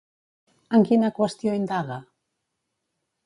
En quina qüestió indaga?